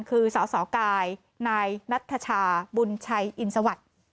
คือสสกายนายนัทชาบุญชัยอินสวัสดิ์